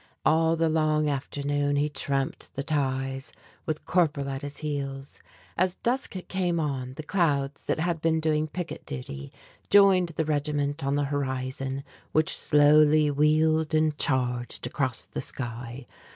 All the long afternoon he tramped the ties, with Corporal at his heels. As dusk came on the clouds that had been doing picket duty, joined the regiment on the horizon which slowly wheeled and charged across the sky.